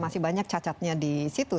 masih banyak cacatnya di situ